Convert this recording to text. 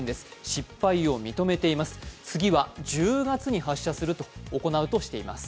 失敗を認めています、次は１０月に発射を行うとしています。